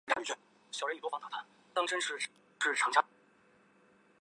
源明子是左大臣源高明之女。